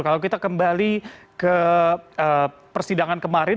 kalau kita kembali ke persidangan kemarin